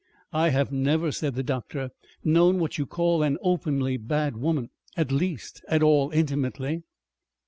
"I have never," said the doctor, "known what you call an openly bad woman, at least, at all intimately...."